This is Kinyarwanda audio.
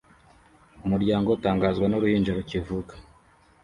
Umuryango utangazwa n'uruhinja rukivuka